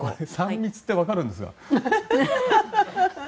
３密って分かるんですか？